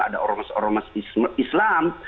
ada orang orang islam